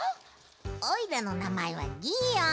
おいらのなまえはギーオン。